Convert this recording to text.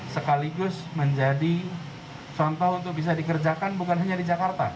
sekaligus menjadi contoh untuk bisa dikerjakan bukan hanya di jakarta